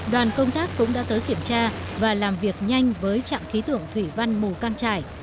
đoàn công tác cũng đã tới kiểm tra và làm việc nhanh với trạm khí tượng thủy văn mù căng trải